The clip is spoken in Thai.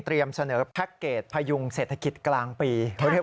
เสนอแพ็คเกจพยุงเศรษฐกิจกลางปี